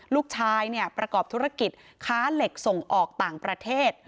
ลูกชายเนี่ยประกอบธุรกิจค้าเหล็กส่งออกต่างประเทศ